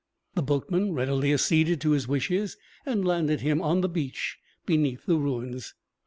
The boatman readily acceded to his wishes, and landed him on the beach beneath the ruins.